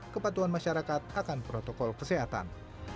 kepatuhan masyarakat akan protokol kesehatan